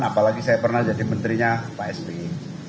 apalagi saya pernah jadi menterinya pak sby